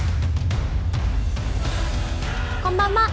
こんばんは。